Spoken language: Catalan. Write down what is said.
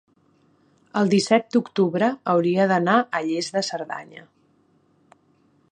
el disset d'octubre hauria d'anar a Lles de Cerdanya.